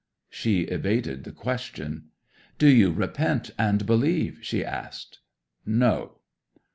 'She evaded the question. "Do you repent and believe?" she asked. '"No."